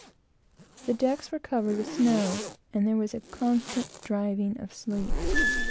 The decks were covered with snow, and there was a constant driving of sleet.